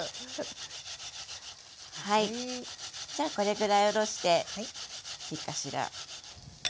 はいじゃあこれぐらいおろしていいかしら。